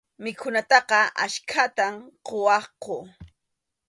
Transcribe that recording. Mikhunataqa achkatam quwaqku.